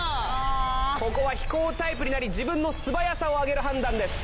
ここはひこうタイプになり自分のす上げる判断です。